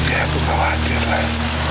ya aku khawatir lai